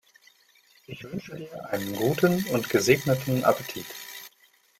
Ich wünsche dir einen guten und gesegneten Appetit!